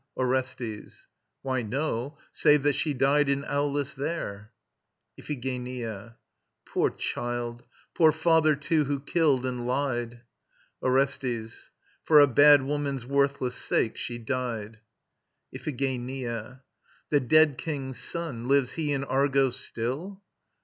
ORESTES. Why, no, save that she died in Aulis there. IPHIGENIA. Poor child! Poor father, too, who killed and lied! ORESTES. For a bad woman's worthless sake she died. IPHIGENIA. The dead king's son, lives he in Argos still?